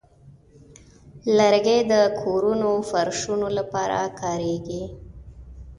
لرګی د کورونو فرشونو لپاره کاریږي.